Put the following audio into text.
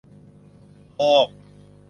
โฮก !